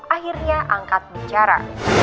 akhirnya angkat bicara